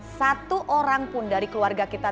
satu orang pun dari keluarga kita